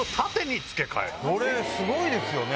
これすごいですよね。